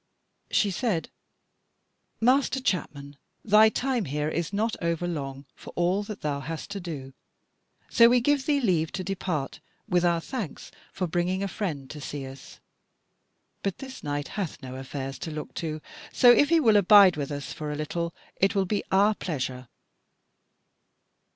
She said: "Master chapman, thy time here is not over long for all that thou hast to do; so we give thee leave to depart with our thanks for bringing a friend to see us. But this knight hath no affairs to look to: so if he will abide with us for a little, it will be our pleasure."